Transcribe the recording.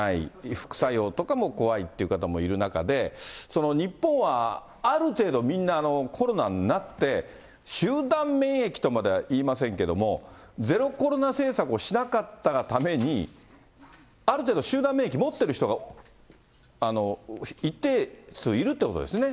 副作用とかも怖いって方もいる中で、日本はある程度みんなコロナになって、集団免疫とまでは言いませんけれども、ゼロコロナ政策をしなかったがために、ある程度、集団免疫持ってる人が一定数いるということですよね。